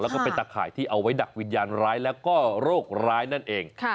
แล้วก็เป็นตะข่ายที่เอาไว้ดักวิญญาณร้ายแล้วก็โรคร้ายนั่นเอง